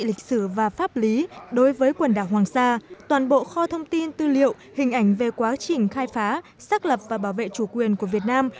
lịch sử và pháp lý đối với quần đảo hoàng sa toàn bộ kho thông tin tư liệu hình ảnh về quá trình khai phá xác lập và bảo vệ chủ quyền của việt nam